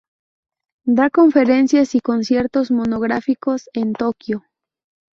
Da conferencias y conciertos monográficos en Tokio.